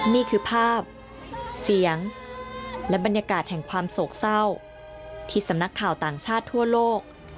นี่คือภาพเสียงและบรรยากาศแห่งความโศกเศร้าที่สำนักข่าวต่างชาติทั่วโลก